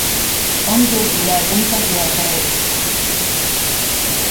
انظر إلى بنتك يا خالد